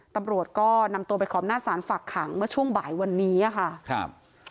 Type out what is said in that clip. ตำรวจก็นำตัวไปคอบหน้าสารฝักขังช่วงบ่ายวันนี้ค่ะ